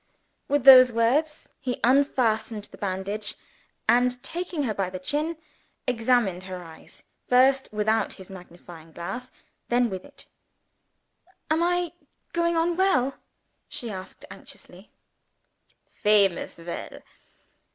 With those words, he unfastened the bandage, and, taking her by the chin, examined her eyes first without his magnifying glass; then with it. "Am I going on well?" she asked anxiously. "Famous well!